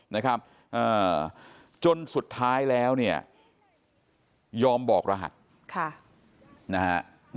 นะครับอ่าจนสุดท้ายแล้วเนี่ยยอมบอกรหัสค่ะนะฮะ